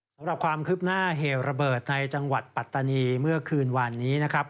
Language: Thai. สำหรับความคืบหน้าเหตุระเบิดในจังหวัดปัตตานีเมื่อคืนวานนี้นะครับ